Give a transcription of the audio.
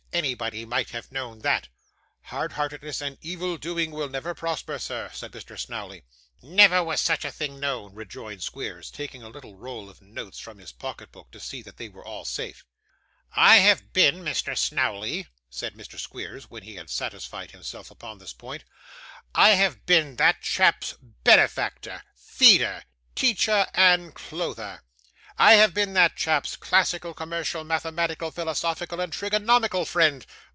Anybody might have known that.' 'Hard heartedness and evil doing will never prosper, sir,' said Mr Snawley. 'Never was such a thing known,' rejoined Squeers, taking a little roll of notes from his pocket book, to see that they were all safe. 'I have been, Mr. Snawley,' said Mr. Squeers, when he had satisfied himself upon this point, 'I have been that chap's benefactor, feeder, teacher, and clother. I have been that chap's classical, commercial, mathematical, philosophical, and trigonomical friend.